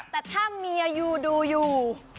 แต่ถ้าเมียยูดูอยู่